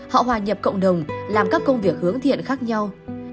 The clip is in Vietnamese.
họ hòa nhập cộng đồng làm các công việc hướng thiện khác nhau